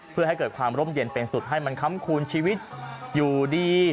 เพื่อให้เกิดความร่มเย็นเป็นสุดให้มันค้ำคูณชีวิตอยู่ดี